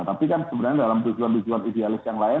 tapi kan sebenarnya dalam tujuan tujuan idealis yang lain